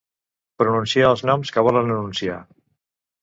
Pronunciar els noms que volem anunciar.